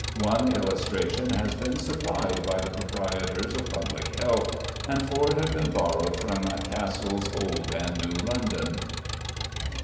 One illustration has been supplied by the proprietors of Public Health, and four have been borrowed from "Cassell's Old and New London."